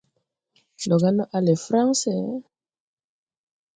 Ndɔ ga ndɔ a le Fransi?